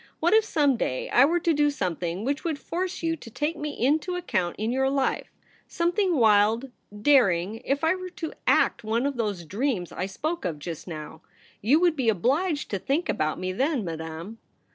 What if some day I were to do something which would force you to take me into account in your life — something wild, daring — if I were to act one of those dreams 1 spoke of just now ? You would be obliged to think about me then, Madame.'